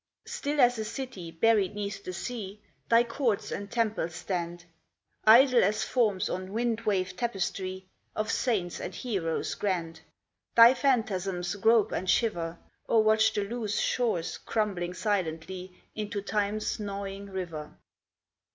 Still as a city buried 'neath the sea, Thy courts and temples stand; Idle as forms on wind waved tapestry Of saints and heroes grand, Thy phantasms grope and shiver, Or watch the loose shores crumbling silently Into Time's gnawing river.